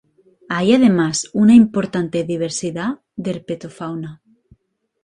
Hay además una importante diversidad de herpetofauna.